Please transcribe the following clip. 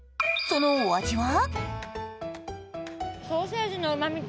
そのお味は？